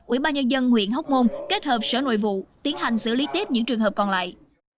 ubnd huyện hóc môn kết hợp sở nội vụ tiến hành xử lý tiếp những trường hợp còn lại